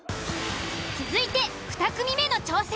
続いて２組目の挑戦。